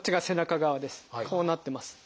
こうなってます。